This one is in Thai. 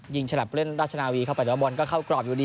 ฉลับเล่นราชนาวีเข้าไปแต่ว่าบอลก็เข้ากรอบอยู่ดี